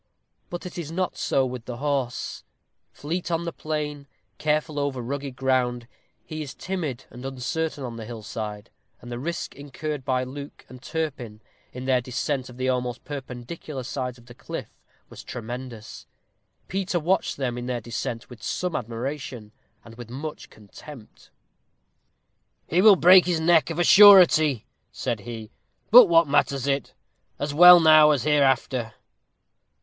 But it is not so with the horse: fleet on the plain, careful over rugged ground, he is timid and uncertain on the hill side, and the risk incurred by Luke and Turpin, in their descent of the almost perpendicular sides of the cliff, was tremendous. Peter watched them in their descent with some admiration, and with much contempt. "He will break his neck, of a surety," said he; "but what matters it? As well now as hereafter."